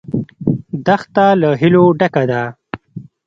دښته له هیلو ډکه ده.